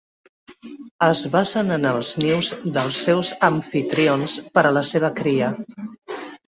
Es basen en els nius dels seus amfitrions per a la seva cria.